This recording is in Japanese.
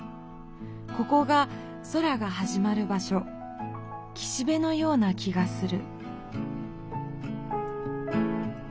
ここが空がはじまる場しょ岸べのような気がする。